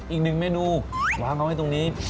อีกหนึ่งเมนูวางเอาไว้ตรงนี้